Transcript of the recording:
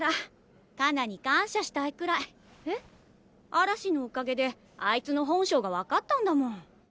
あらしのおかげであいつの本性が分かったんだもん。